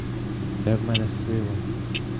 Де в мене сила?